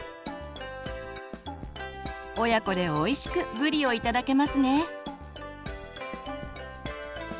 親子でおいしくぶりを頂けますね。